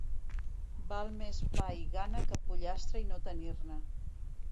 Val més pa i gana que pollastre i no tenir-ne.